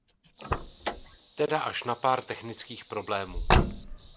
Teda až na pár technických problémů.